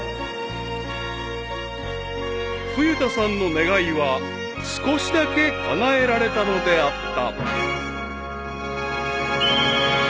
［冬田さんの願いは少しだけかなえられたのであった］